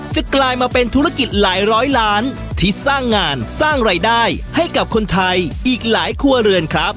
กลายมาเป็นธุรกิจหลายร้อยล้านที่สร้างงานสร้างรายได้ให้กับคนไทยอีกหลายครัวเรือนครับ